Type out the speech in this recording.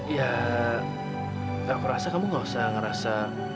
ya aku rasa kamu gak usah ngerasa